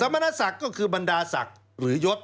มณศักดิ์ก็คือบรรดาศักดิ์หรือยศ